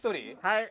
はい。